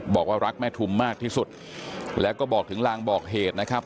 บอกว่ารักแม่ทุมมากที่สุดแล้วก็บอกถึงลางบอกเหตุนะครับ